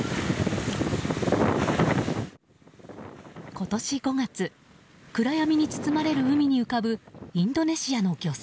今年５月暗闇に包まれる海に浮かぶインドネシアの漁船。